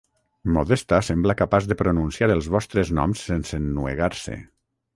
Modesta sembla capaç de pronunciar els vostres noms sense ennuegar-se.